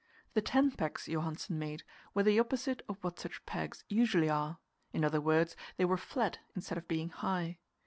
The tent pegs Johansen made were the opposite of what such pegs usually are; in other words, they were flat instead of being high.